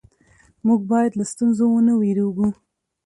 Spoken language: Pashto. موږ باید له ستونزو ونه وېرېږو